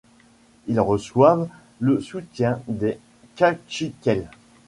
Ils reçoiventt le soutien des Kaqchikels.